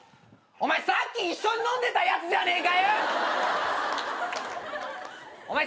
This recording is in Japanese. お前さっき一緒に飲んでたやつじゃねえかよ！